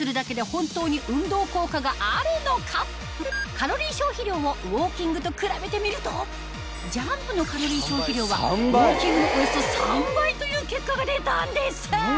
カロリー消費量をウオーキングと比べてみるとジャンプのカロリー消費量はウオーキングのおよそ３倍という結果が出たんです